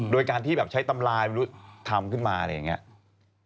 โดยการที่แบบใช้ตำราทำขึ้นมาอะไรอย่างเงี้ย